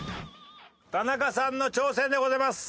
田中さんの挑戦でございます。